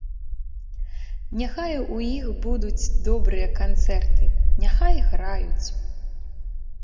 Няхай у іх будуць добрыя канцэрты, няхай граюць.